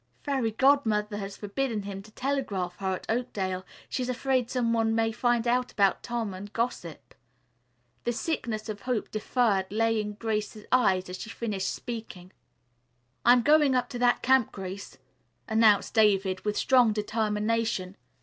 Fairy Godmother has forbidden him to telegraph her at Oakdale. She is afraid some one may find out about Tom and gossip." The sickness of hope deferred lay in Grace's eyes as she finished speaking. "I'm going up to that camp, Grace," announced David with strong determination.